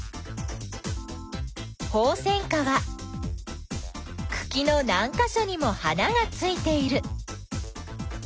ホウセンカはくきのなんかしょにも花がついている。